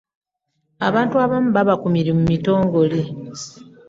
abantu abamu baba ku mirimu mitongole